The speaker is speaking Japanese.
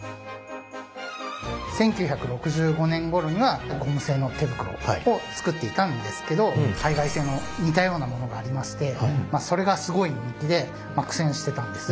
１９６５年ごろにはゴム製の手袋を作っていたんですけど海外製の似たようなものがありましてそれがすごい人気で苦戦してたんです。